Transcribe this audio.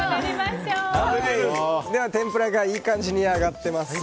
では天ぷらがいい感じに揚がってます。